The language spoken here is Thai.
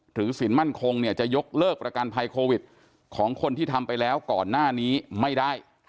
สินมั่นคงเนี่ยจะยกเลิกประกันภัยโควิดของคนที่ทำไปแล้วก่อนหน้านี้ไม่ได้